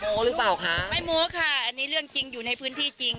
หรือเปล่าคะไม่โม้ค่ะอันนี้เรื่องจริงอยู่ในพื้นที่จริง